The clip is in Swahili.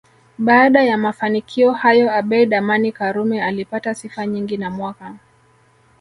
Baada ya mafanikio hayo Abeid Amani Karume alipata sifa nyingi na mwaka